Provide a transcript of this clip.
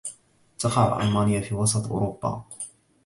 تقع ألمانيا في وسط أوروبا.